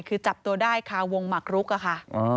คือจับตัวได้คาวงหมักรุกอะค่ะ